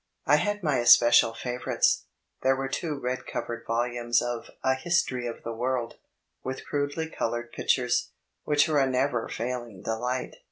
I had my especial favourires. There were two red covered volumes of A History of the World, with crudely coloured picmres, which were a never failing delight.